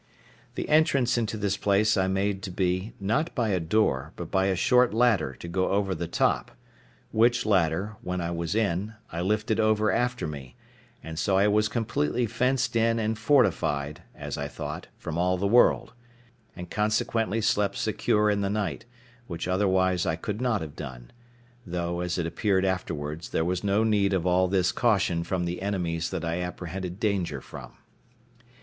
The entrance into this place I made to be, not by a door, but by a short ladder to go over the top; which ladder, when I was in, I lifted over after me; and so I was completely fenced in and fortified, as I thought, from all the world, and consequently slept secure in the night, which otherwise I could not have done; though, as it appeared afterwards, there was no need of all this caution from the enemies that I apprehended danger from.